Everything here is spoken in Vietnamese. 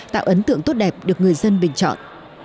tạo ấn tượng tốt đẹp được người dân bình chọn